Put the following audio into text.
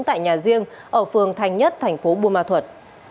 tại nhà riêng ở phường thành nhất thành phố buôn ma thuật